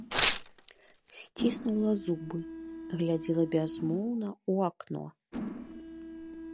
Сціснула губы, глядзела бязмоўна ў акно.